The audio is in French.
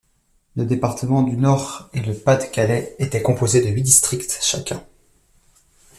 Le département du Nord et le Pas-de-Calais était composé de huit districts, chacun.